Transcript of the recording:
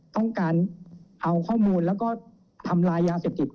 ต้องการเอาข้อมูลแล้วก็ทำลายยาเสพติด